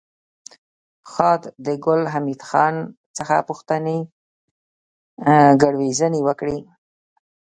خاد د ګل حمید خان څخه پوښتنې ګروېږنې وکړې